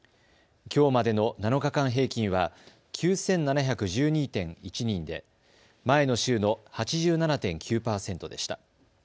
きょうまでの７日間平均は９７１２．１人で前の週の８７．９％でした。